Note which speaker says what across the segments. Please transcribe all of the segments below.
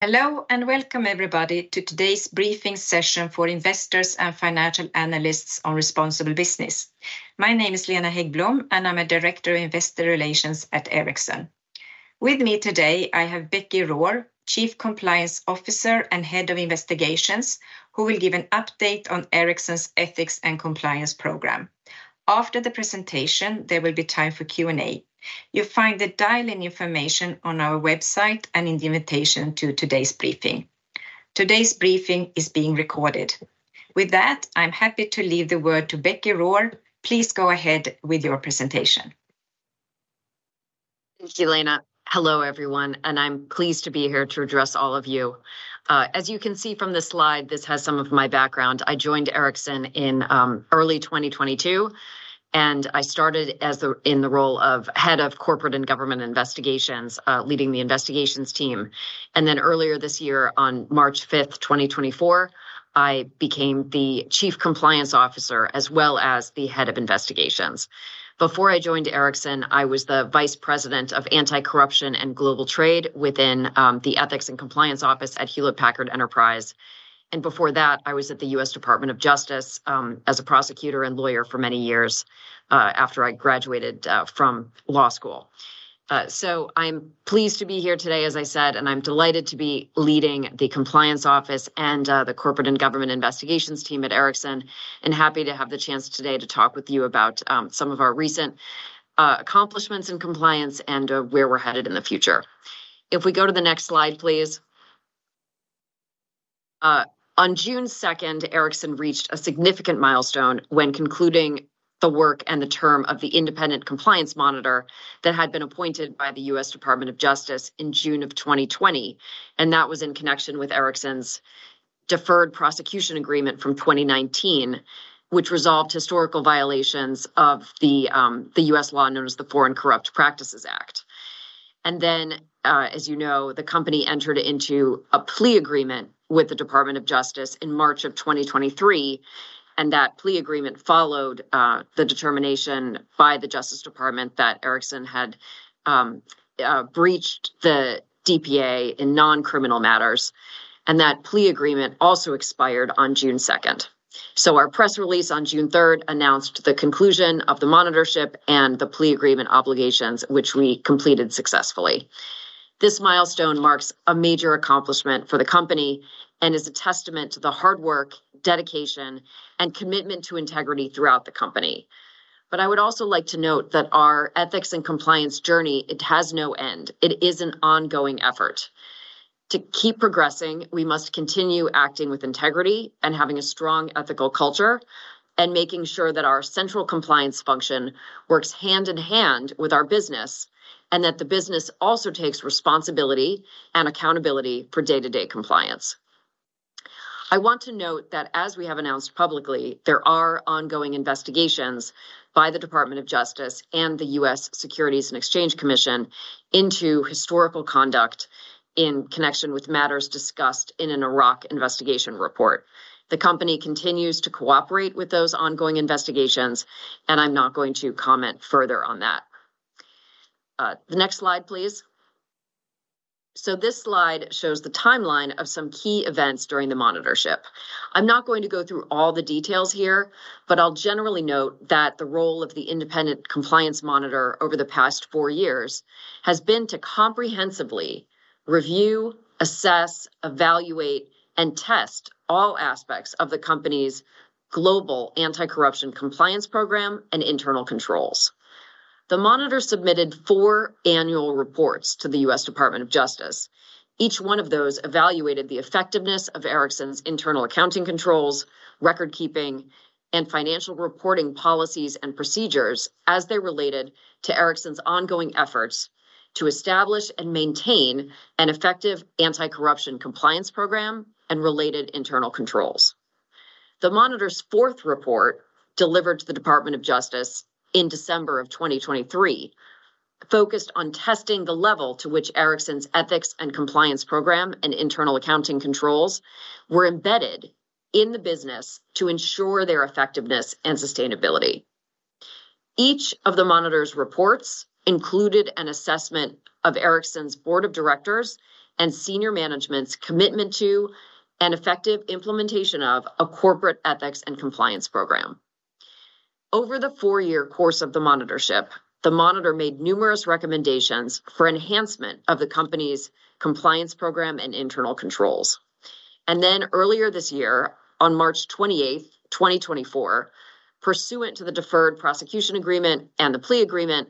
Speaker 1: Hello and welcome, everybody, to today's briefing session for investors and financial analysts on responsible business. My name is Lena Häggblom, and I'm a Director of Investor Relations at Ericsson. With me today, I have Becky Rohr, Chief Compliance Officer and Head of Investigations, who will give an update on Ericsson's ethics and compliance program. After the presentation, there will be time for Q&A. You'll find the dial-in information on our website and in the invitation to today's briefing. Today's briefing is being recorded. With that, I'm happy to leave the word to Becky Rohr. Please go ahead with your presentation.
Speaker 2: Thank you, Lena. Hello, everyone, and I'm pleased to be here to address all of you. As you can see from the slide, this has some of my background. I joined Ericsson in early 2022, and I started in the role of Head of Corporate and Government Investigations, leading the investigations team. Then earlier this year, on March 5, 2024, I became the Chief Compliance Officer as well as the Head of Investigations. Before I joined Ericsson, I was the Vice President of Anti-Corruption and Global Trade within the Ethics and Compliance Office at Hewlett Packard Enterprise. Before that, I was at the U.S. Department of Justice as a prosecutor and lawyer for many years after I graduated from law school. I'm pleased to be here today, as I said, and I'm delighted to be leading the Compliance Office and the Corporate and Government Investigations team at Ericsson, and happy to have the chance today to talk with you about some of our recent accomplishments in compliance and where we're headed in the future. If we go to the next slide, please. On June 2, Ericsson reached a significant milestone when concluding the work and the term of the Independent Compliance Monitor that had been appointed by the U.S. Department of Justice in June of 2020. That was in connection with Ericsson's deferred prosecution agreement from 2019, which resolved historical violations of the U.S. law known as the Foreign Corrupt Practices Act. Then, as you know, the company entered into a plea agreement with the Department of Justice in March of 2023, and that plea agreement followed the determination by the Justice Department that Ericsson had breached the DPA in non-criminal matters. That plea agreement also expired on June 2. Our press release on June 3 announced the conclusion of the monitorship and the plea agreement obligations, which we completed successfully. This milestone marks a major accomplishment for the company and is a testament to the hard work, dedication, and commitment to integrity throughout the company. I would also like to note that our ethics and compliance journey has no end. It is an ongoing effort. To keep progressing, we must continue acting with integrity and having a strong ethical culture and making sure that our central compliance function works hand in hand with our business and that the business also takes responsibility and accountability for day-to-day compliance. I want to note that, as we have announced publicly, there are ongoing investigations by the Department of Justice and the U.S. Securities and Exchange Commission into historical conduct in connection with matters discussed in an Iraq investigation report. The company continues to cooperate with those ongoing investigations, and I'm not going to comment further on that. The next slide, please. This slide shows the timeline of some key events during the monitorship. I'm not going to go through all the details here, but I'll generally note that the role of the Independent Compliance Monitor over the past four years has been to comprehensively review, assess, evaluate, and test all aspects of the company's global anti-corruption compliance program and internal controls. The monitor submitted four annual reports to the U.S. Department of Justice. Each one of those evaluated the effectiveness of Ericsson's internal accounting controls, record-keeping, and financial reporting policies and procedures as they related to Ericsson's ongoing efforts to establish and maintain an effective anti-corruption compliance program and related internal controls. The monitor's fourth report, delivered to the Department of Justice in December of 2023, focused on testing the level to which Ericsson's ethics and compliance program and internal accounting controls were embedded in the business to ensure their effectiveness and sustainability. Each of the monitor's reports included an assessment of Ericsson's board of directors and senior management's commitment to and effective implementation of a corporate ethics and compliance program. Over the four-year course of the monitorship, the monitor made numerous recommendations for enhancement of the company's compliance program and internal controls. Then earlier this year, on March 28, 2024, pursuant to the deferred prosecution agreement and the plea agreement,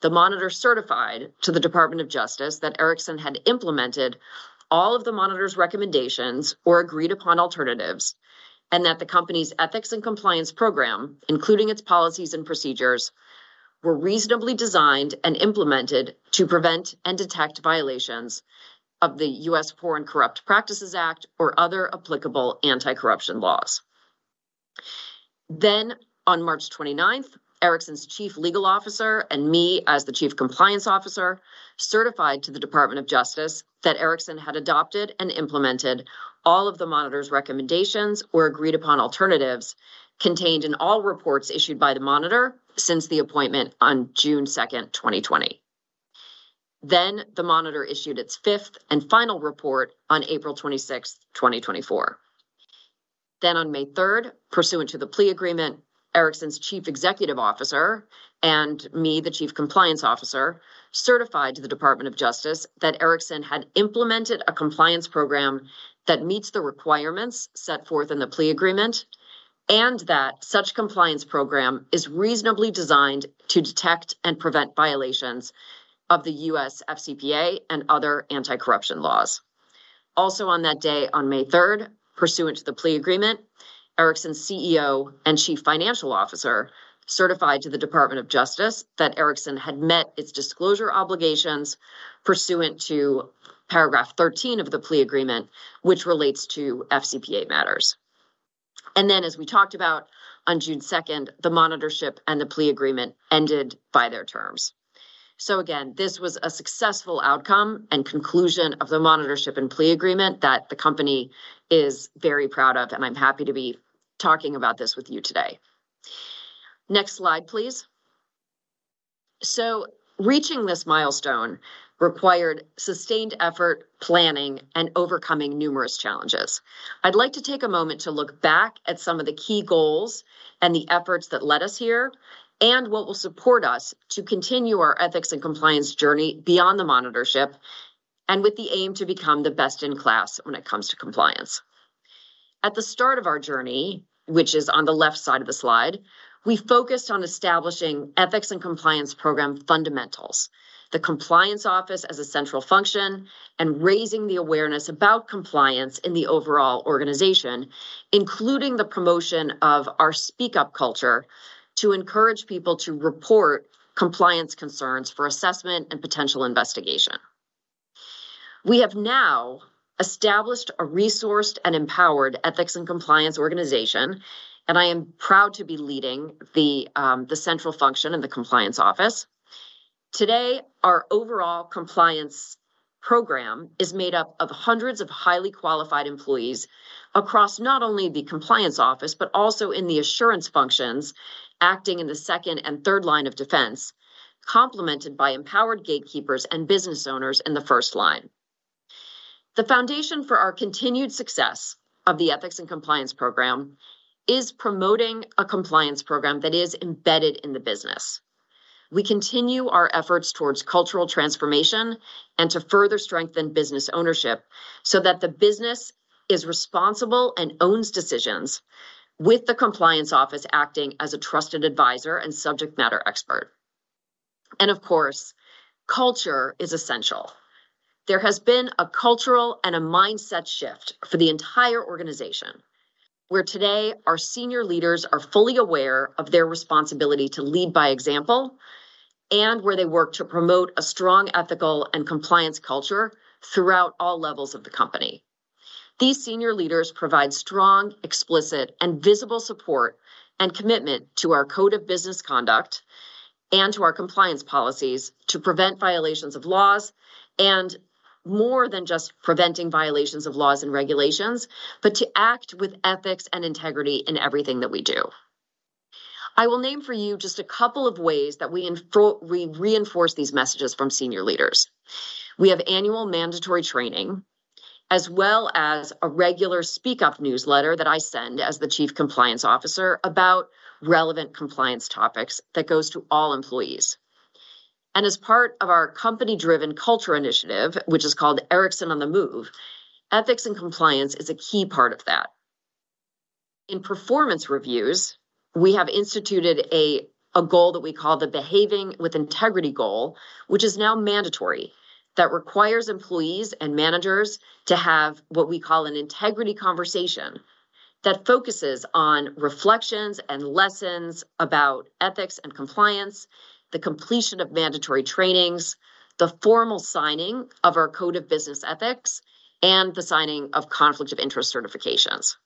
Speaker 2: the monitor certified to the Department of Justice that Ericsson had implemented all of the monitor's recommendations or agreed-upon alternatives and that the company's ethics and compliance program, including its policies and procedures, were reasonably designed and implemented to prevent and detect violations of the U.S. Foreign Corrupt Practices Act or other applicable anti-corruption laws. On March 29, Ericsson's Chief Legal Officer and me, as the Chief Compliance Officer, certified to the Department of Justice that Ericsson had adopted and implemented all of the monitor's recommendations or agreed-upon alternatives contained in all reports issued by the monitor since the appointment on June 2, 2020. The monitor issued its fifth and final report on April 26, 2024. On May 3, pursuant to the plea agreement, Ericsson's Chief Executive Officer and me, the Chief Compliance Officer, certified to the Department of Justice that Ericsson had implemented a compliance program that meets the requirements set forth in the plea agreement and that such compliance program is reasonably designed to detect and prevent violations of the U.S. FCPA and other anti-corruption laws. Also, on that day, on May 3, pursuant to the plea agreement, Ericsson's CEO and Chief Financial Officer certified to the Department of Justice that Ericsson had met its disclosure obligations pursuant to paragraph 13 of the plea agreement, which relates to FCPA matters. Then, as we talked about on June 2, the monitorship and the plea agreement ended by their terms. Again, this was a successful outcome and conclusion of the monitorship and plea agreement that the company is very proud of, and I'm happy to be talking about this with you today. Next slide, please. Reaching this milestone required sustained effort, planning, and overcoming numerous challenges. I'd like to take a moment to look back at some of the key goals and the efforts that led us here and what will support us to continue our ethics and compliance journey beyond the monitorship and with the aim to become the best in class when it comes to compliance. At the start of our journey, which is on the left side of the slide, we focused on establishing ethics and compliance program fundamentals, the Compliance Office as a central function, and raising the awareness about compliance in the overall organization, including the promotion of our speak-up culture to encourage people to report compliance concerns for assessment and potential investigation. We have now established a resourced and empowered ethics and compliance organization, and I am proud to be leading the central function in the Compliance Office. Today, our overall compliance program is made up of hundreds of highly qualified employees across not only the Compliance Office, but also in the assurance functions acting in the second and third line of defense, complemented by empowered gatekeepers and business owners in the first line. The foundation for our continued success of the ethics and compliance program is promoting a compliance program that is embedded in the business. We continue our efforts towards cultural transformation and to further strengthen business ownership so that the business is responsible and owns decisions, with the Compliance Office acting as a trusted advisor and subject matter expert. And of course, culture is essential. There has been a cultural and a mindset shift for the entire organization where today our senior leaders are fully aware of their responsibility to lead by example and where they work to promote a strong ethical and compliance culture throughout all levels of the company. These senior leaders provide strong, explicit, and visible support and commitment to our Code of Business Ethics and to our compliance policies to prevent violations of laws and more than just preventing violations of laws and regulations, but to act with ethics and integrity in everything that we do. I will name for you just a couple of ways that we reinforce these messages from senior leaders. We have annual mandatory training as well as a regular Speak Up newsletter that I send as the Chief Compliance Officer about relevant compliance topics that goes to all employees. As part of our company-driven culture initiative, which is called Ericsson on the Move, ethics and compliance is a key part of that. In performance reviews, we have instituted a goal that we call the Behaving with Integrity goal, which is now mandatory, that requires employees and managers to have what we call an Integrity Conversation that focuses on reflections and lessons about ethics and compliance, the completion of mandatory trainings, the formal signing of our Code of Business Ethics, and the signing of conflict of interest certifications.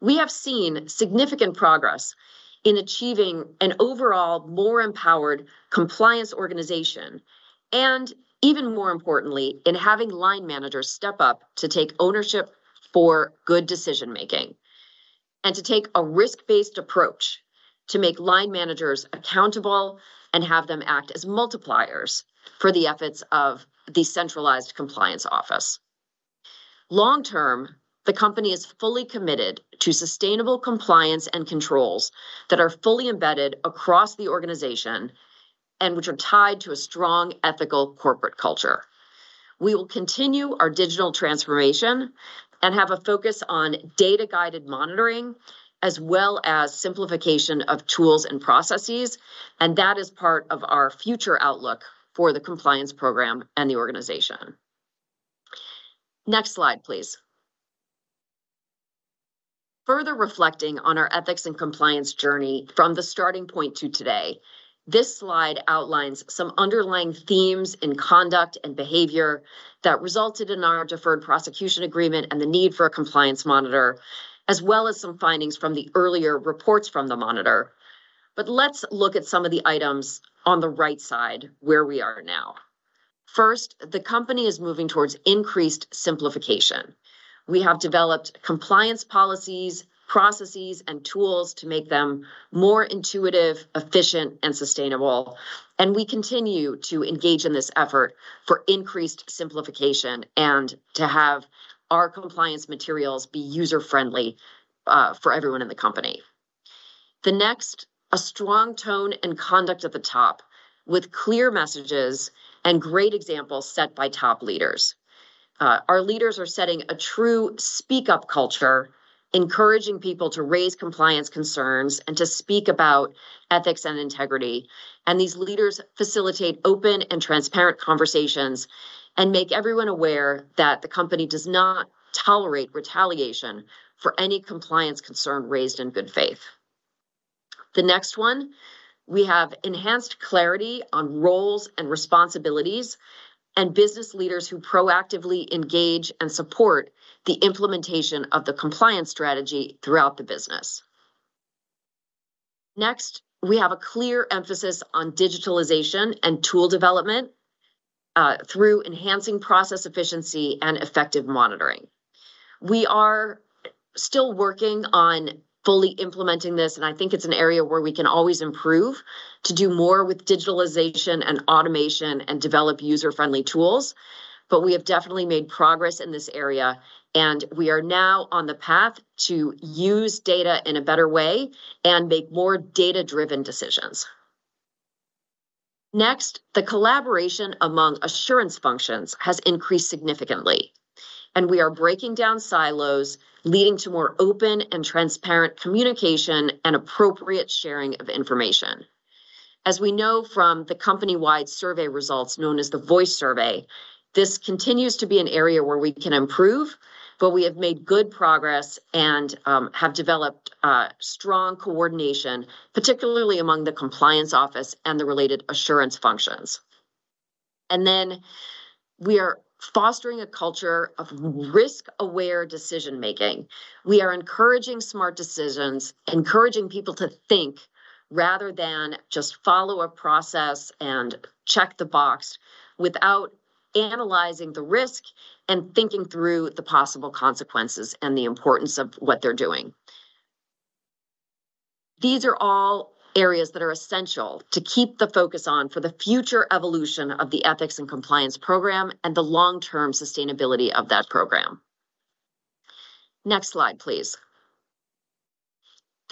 Speaker 2: We have seen significant progress in achieving an overall more empowered compliance organization and, even more importantly, in having line managers step up to take ownership for good decision-making and to take a risk-based approach to make line managers accountable and have them act as multipliers for the efforts of the Centralized Compliance Office. Long term, the company is fully committed to sustainable compliance and controls that are fully embedded across the organization and which are tied to a strong ethical corporate culture. We will continue our digital transformation and have a focus on data-guided monitoring as well as simplification of tools and processes, and that is part of our future outlook for the compliance program and the organization. Next slide, please. Further reflecting on our ethics and compliance journey from the starting point to today, this slide outlines some underlying themes in conduct and behavior that resulted in our Deferred Prosecution Agreement and the need for a compliance monitor, as well as some findings from the earlier reports from the monitor. But let's look at some of the items on the right side where we are now. First, the company is moving towards increased simplification. We have developed compliance policies, processes, and tools to make them more intuitive, efficient, and sustainable, and we continue to engage in this effort for increased simplification and to have our compliance materials be user-friendly for everyone in the company. The next, a strong tone and conduct at the top with clear messages and great examples set by top leaders. Our leaders are setting a true speak-up culture, encouraging people to raise compliance concerns and to speak about ethics and integrity, and these leaders facilitate open and transparent conversations and make everyone aware that the company does not tolerate retaliation for any compliance concern raised in good faith. The next one, we have enhanced clarity on roles and responsibilities and business leaders who proactively engage and support the implementation of the compliance strategy throughout the business. Next, we have a clear emphasis on digitalization and tool development through enhancing process efficiency and effective monitoring. We are still working on fully implementing this, and I think it's an area where we can always improve to do more with digitalization and automation and develop user-friendly tools, but we have definitely made progress in this area, and we are now on the path to use data in a better way and make more data-driven decisions. Next, the collaboration among assurance functions has increased significantly, and we are breaking down silos leading to more open and transparent communication and appropriate sharing of information. As we know from the company-wide survey results known as the Voice Survey, this continues to be an area where we can improve, but we have made good progress and have developed strong coordination, particularly among the Compliance Office and the related assurance functions. We are fostering a culture of risk-aware decision-making. We are encouraging smart decisions, encouraging people to think rather than just follow a process and check the box without analyzing the risk and thinking through the possible consequences and the importance of what they're doing. These are all areas that are essential to keep the focus on for the future evolution of the ethics and compliance program and the long-term sustainability of that program. Next slide, please.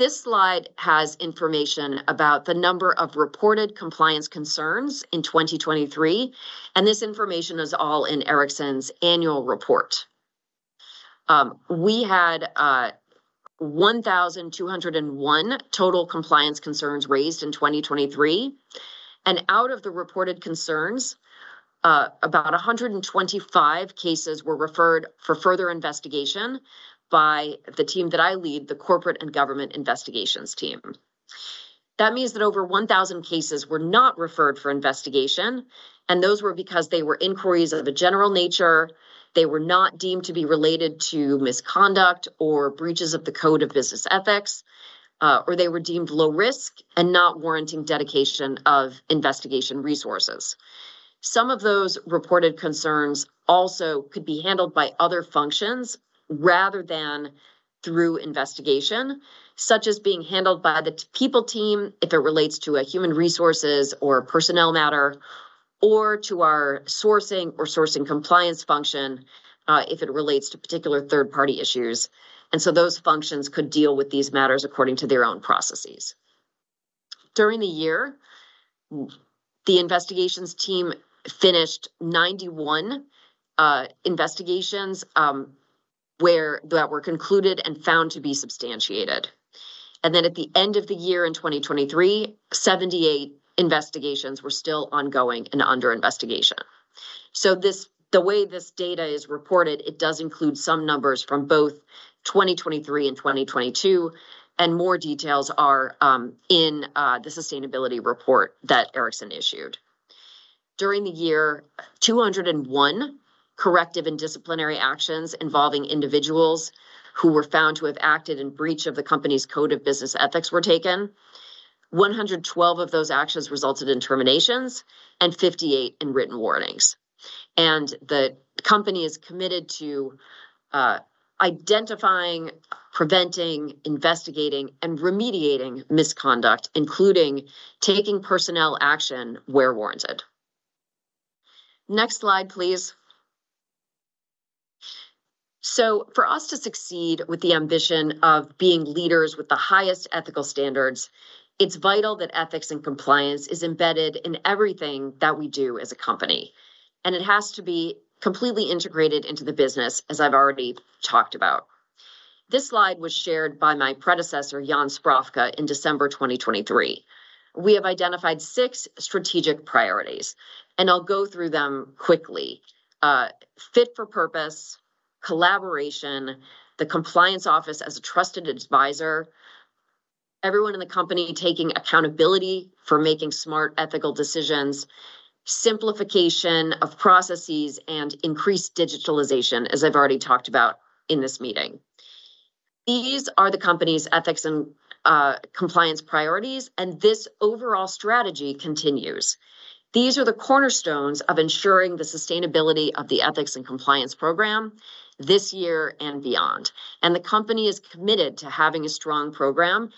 Speaker 2: This slide has information about the number of reported compliance concerns in 2023, and this information is all in Ericsson's annual report. We had 1,201 total compliance concerns raised in 2023, and out of the reported concerns, about 125 cases were referred for further investigation by the team that I lead, the Corporate and Government Investigations Team. That means that over 1,000 cases were not referred for investigation, and those were because they were inquiries of a general nature. They were not deemed to be related to misconduct or breaches of the Code of Business Ethics, or they were deemed low risk and not warranting dedication of investigation resources. Some of those reported concerns also could be handled by other functions rather than through investigation, such as being handled by the People team if it relates to a human resources or personnel matter or to our Sourcing or Sourcing Compliance function if it relates to particular third-party issues. And so those functions could deal with these matters according to their own processes. During the year, the Investigations Team finished 91 investigations that were concluded and found to be substantiated. And then at the end of the year in 2023, 78 investigations were still ongoing and under investigation. So the way this data is reported, it does include some numbers from both 2023 and 2022, and more details are in the sustainability report that Ericsson issued. During the year, 201 corrective and disciplinary actions involving individuals who were found to have acted in breach of the company's Code of Business Ethics were taken. 112 of those actions resulted in terminations and 58 in written warnings. And the company is committed to identifying, preventing, investigating, and remediating misconduct, including taking personnel action where warranted. Next slide, please. So for us to succeed with the ambition of being leaders with the highest ethical standards, it's vital that ethics and compliance is embedded in everything that we do as a company, and it has to be completely integrated into the business, as I've already talked about. This slide was shared by my predecessor, Jan Sprafke, in December 2023. We have identified six strategic priorities, and I'll go through them quickly: fit for purpose, collaboration, the Compliance Office as a trusted advisor, everyone in the company taking accountability for making smart ethical decisions, simplification of processes, and increased digitalization, as I've already talked about in this meeting. These are the company's ethics and compliance priorities, and this overall strategy continues. These are the cornerstones of ensuring the sustainability of the ethics and compliance program this year and beyond. The company is committed to having a strong program.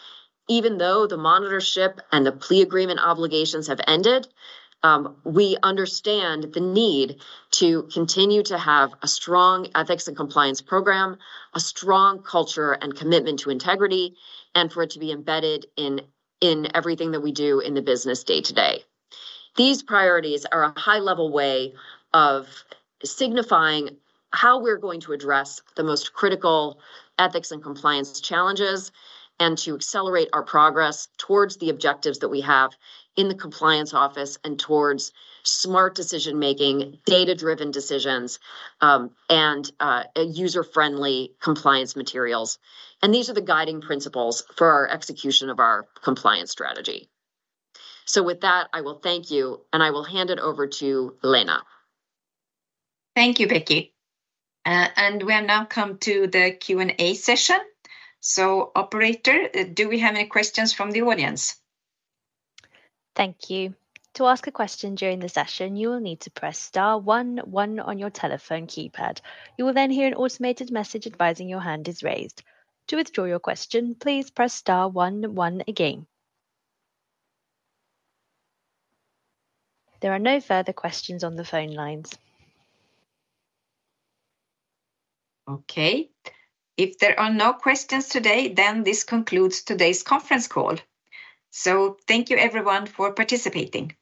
Speaker 2: Even though the monitorship and the plea agreement obligations have ended, we understand the need to continue to have a strong ethics and compliance program, a strong culture, and commitment to integrity, and for it to be embedded in everything that we do in the business day-to-day. These priorities are a high-level way of signifying how we're going to address the most critical ethics and compliance challenges and to accelerate our progress towards the objectives that we have in the Compliance Office and towards smart decision-making, data-driven decisions, and user-friendly compliance materials. These are the guiding principles for our execution of our compliance strategy. With that, I will thank you, and I will hand it over to Lena.
Speaker 1: Thank you, Becky. We have now come to the Q&A session. Operator, do we have any questions from the audience?
Speaker 3: Thank you. To ask a question during the session, you will need to press star one one on your telephone keypad. You will then hear an automated message advising your hand is raised. To withdraw your question, please press star one one again. There are no further questions on the phone lines.
Speaker 1: Okay. If there are no questions today, then this concludes today's conference call. So thank you, everyone, for participating.